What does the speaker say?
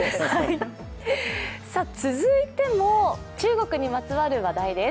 続いても中国にまつわる話題です。